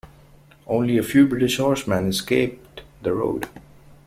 Only a few British horsemen escaped the trap.